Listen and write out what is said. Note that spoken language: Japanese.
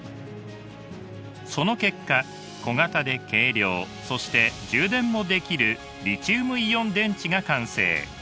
その結果小型で軽量そして充電もできるリチウムイオン電池が完成。